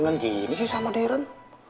kenapa dia kekunci barengan gini sih sama darren